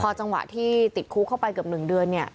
จังหวะที่ติดคุกเข้าไปเกือบ๑เดือนเนี่ย